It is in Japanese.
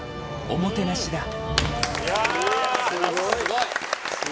すごい。